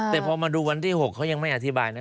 แต่พอมาดูวันที่๖เขายังไม่อธิบายนะ